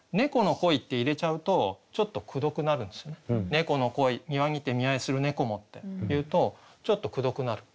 「猫の恋庭にて見合ひする猫も」って言うとちょっとくどくなる。